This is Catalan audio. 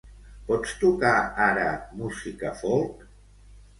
Pots tocar ara música folk?